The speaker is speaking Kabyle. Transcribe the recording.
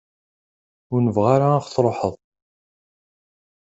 Ur nebɣa ara ad ɣ-truḥeḍ.